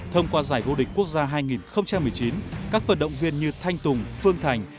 thông qua giải vô địch quốc gia hai nghìn một mươi chín các vận động viên như thanh tùng phương thành